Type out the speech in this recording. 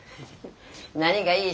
何がいい